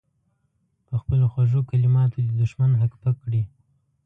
په خپلو خوږو کلماتو دې دښمن هک پک کړي.